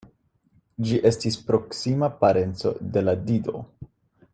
Ĝi estis proksima parenco de la Dido.